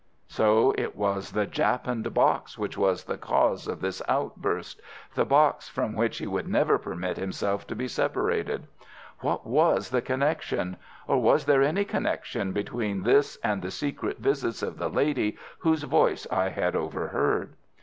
So it was the japanned box which was the cause of this outburst—the box from which he would never permit himself to be separated. What was the connection, or was there any connection between this and the secret visits of the lady whose voice I had overheard?